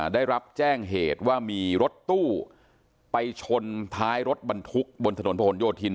ได้รับแจ้งเหตุว่ามีรถตู้ไปชนท้ายรถบรรทุกบนถนนผนโยธิน